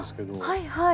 はいはい。